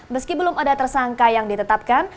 meski belum ada tersangka yang ditetapkan